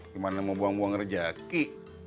gimana mau buang buang rejaki